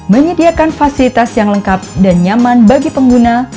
menyediakan fasilitas yang lengkap dan nyaman bagi pengguna